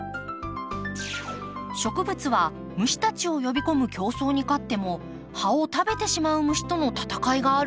植物は虫たちを呼び込む競争に勝っても葉を食べてしまう虫との戦いがあるんです。